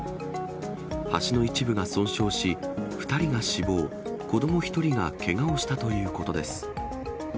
橋の一部が損傷し、２人が死亡、子ども１人がけがをしたということです。